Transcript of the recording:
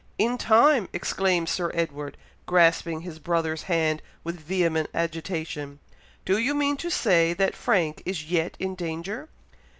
"In time!!" exclaimed Sir Edward, grasping his brother's hand with vehement agitation. "Do you mean to say that Frank is yet in danger!"